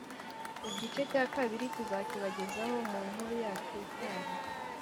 igice cya kabiri tuzakibagezaho mu nkuru yacu itaha!